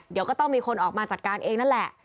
เดี๋ยวก็ต้องมีคนออกมาจัดการเองนั่นแหละ